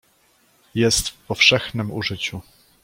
"Jest w powszechnem użyciu."